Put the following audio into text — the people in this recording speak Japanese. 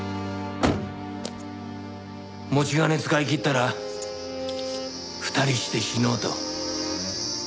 持ち金使い切ったら２人して死のうと。